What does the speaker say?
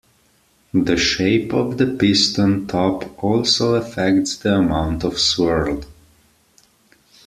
The shape of the piston top also affects the amount of swirl.